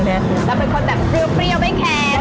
แล้วเป็นคนแบบเปรี้ยวไม่แคร์